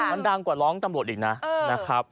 มันดังกว่าร้องตำรวจอีกนะ